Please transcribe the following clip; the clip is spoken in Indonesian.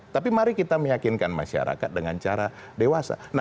tapi mari kita meyakinkan masyarakat dengan cara dewasa